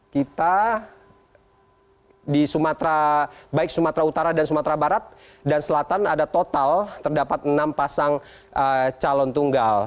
kita di sumatera baik sumatera utara dan sumatera barat dan selatan ada total terdapat enam pasang calon tunggal